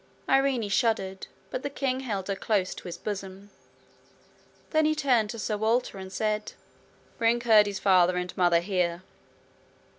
Irene shuddered, but the king held her close to his bosom. Then he turned to Sir Walter, and said: 'Bring Curdie's father and mother here.'